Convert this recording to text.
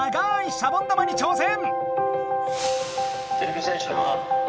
シャボン玉に挑戦！